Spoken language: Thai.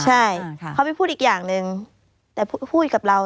ใช่เขาไปพูดอีกอย่างหนึ่งแต่พูดกับเรา